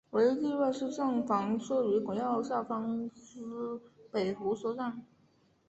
唯一例外是站房设于轨道下方之北湖车站。